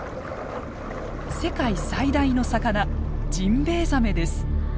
世界最大の魚ジンベエザメです。